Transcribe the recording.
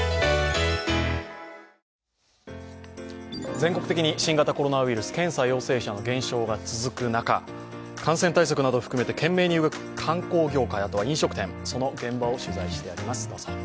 全国的に新型コロナウイルス、検査陽性者の減少が続く中感染対策など含めて懸命に動く観光業や飲食店その現場を取材してあります。